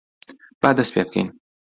با دەست پێ بکەین!